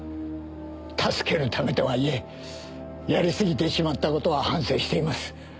助けるためとはいえやりすぎてしまった事は反省しています。